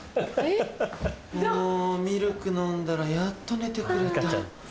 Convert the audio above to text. もうミルク飲んだらやっと寝てくれた。